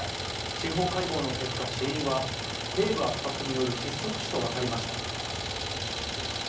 司法解剖の結果、死因はけい部圧迫による窒息死と分かりました。